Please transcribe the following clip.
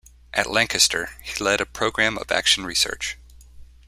At Lancaster he led a programme of action research.